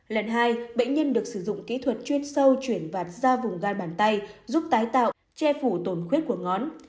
lần hai bệnh nhân được sử dụng kỹ thuật chuyên sâu chuyển vạt ra vùng gai bàn tay giúp tái tạo che phủ tổn khuyết của ngón